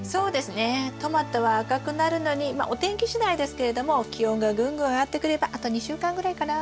トマトは赤くなるのにまあお天気しだいですけれども気温がぐんぐん上がってくればあと２週間ぐらいかな。